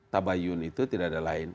tabayun itu tidak ada lain